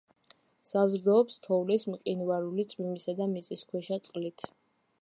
საზრდოობს თოვლის, მყინვარული, წვიმისა და მიწისქვეშა წყლით.